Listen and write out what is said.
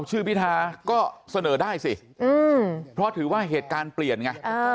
พิธาก็เสนอได้สิเพราะถือว่าเหตุการณ์เปลี่ยนไง